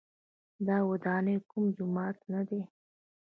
دا ودانۍ کوم جومات نه دی.